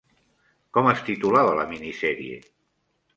Com es titulava la minisèrie?